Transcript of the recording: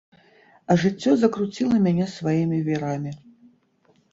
А жыццё закруціла мяне сваімі вірамі.